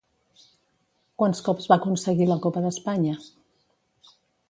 Quants cops va aconseguir la Copa d'Espanya?